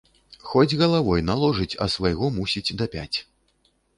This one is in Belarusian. Хоць галавой наложыць, а свайго мусіць дапяць.